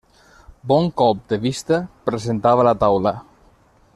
Bon colp de vista presentava la taula.